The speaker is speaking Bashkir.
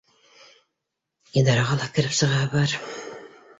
Идараға ла кереп сығаһы бар